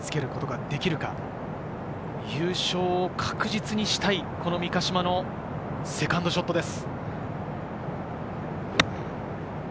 優勝を確実にしたい三ヶ島のセカンドショットです。